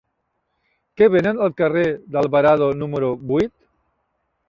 Què venen al carrer d'Alvarado número vuit?